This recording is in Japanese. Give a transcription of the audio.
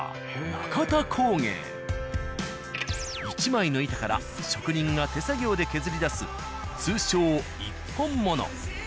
１枚の板から職人が手作業で削り出す通称一本物。